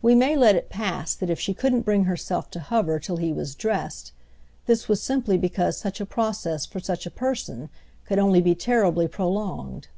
We may let it pass that if she couldn't bring herself to hover till he was dressed, this was simply because such a process for such a person could only be terribly prolonged.